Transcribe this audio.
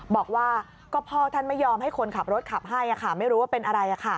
บอกว่าก็พ่อท่านไม่ยอมให้คนขับรถขับให้ไม่รู้ว่าเป็นอะไร